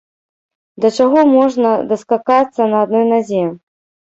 Да чаго можна даскакацца на адной назе?